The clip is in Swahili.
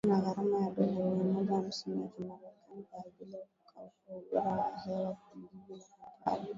Ikiwa na gharama ya dola mia moja hamsini za kimerekani kwa ajili ya kukagua ubora wa hewa kwenye jiji la Kampala